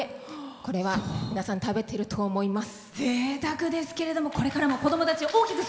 これは皆さん食べてると思います。